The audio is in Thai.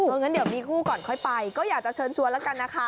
งั้นเดี๋ยวมีคู่ก่อนค่อยไปก็อยากจะเชิญชวนแล้วกันนะคะ